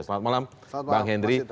selamat malam bang hendri